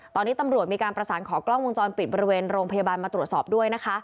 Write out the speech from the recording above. ตอนนี้ตำรวจมีการประสานขอกล้องวงจรปิดบริเวณโรงพยาบาลมาตรวจสอบด้วยนะคะ